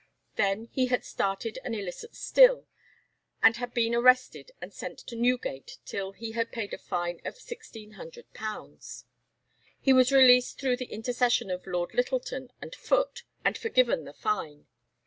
Then, he had started an illicit still, and had been arrested and sent to Newgate till he had paid a fine of £1600. He was released through the intercession of Lord Littleton and Foote, and forgiven the fine.